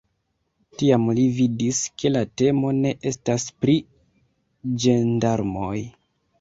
Tiam li vidis, ke la temo ne estas pri ĝendarmoj.